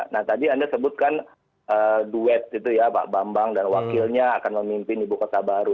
nah tadi anda sebutkan duet itu ya pak bambang dan wakilnya akan memimpin ibu kota baru